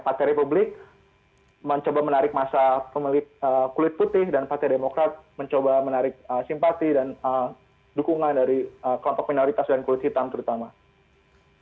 partai republik mencoba menarik masa pemilik kulit putih dan partai demokrat mencoba menarik simpati dan dukungan dari kelompok minoritas dan kulit hitam terutama